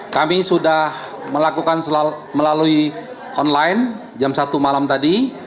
kami sudah melakukan melalui online jam satu malam tadi